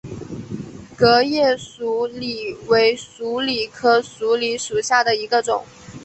革叶鼠李为鼠李科鼠李属下的一个种。